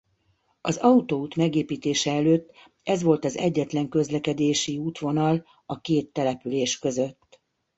Az autóút megépítése előtt ez volt az egyetlen közlekedési útvonal a két település között.